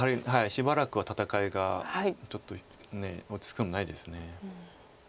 しばらくは戦いがちょっと落ち着きそうもないです。